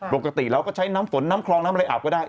ปกติเราก็ใช้น้ำฝนน้ำคลองน้ำอะไรอาบก็ได้